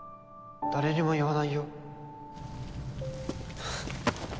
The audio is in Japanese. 誰にも言わないよ。